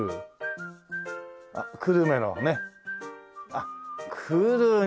あっ久留に。